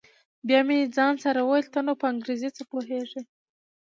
بيا مې ځان سره وويل ته نو په انګريزۍ څه پوهېږې.